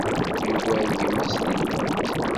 Yugar gma-s deg lqedd.